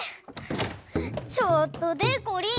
ちょっとでこりん。